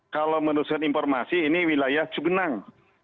kalau menurut informasi ini wilayah cugenang